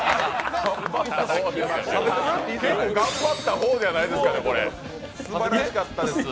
結構、頑張った方じゃないですかねすばらしかったです。